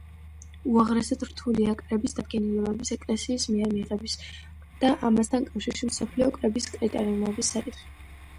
უაღრესად რთულია კრების დადგენილებების ეკლესიის მიერ მიღების და ამასთან კავშირში მსოფლიო კრების კრიტერიუმების საკითხი.